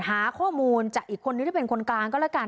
หาข้อมูลจากอีกคนนึงที่เป็นคนกลางก็แล้วกัน